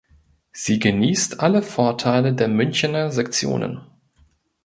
Sie genießt alle Vorteile der Münchener Sektionen.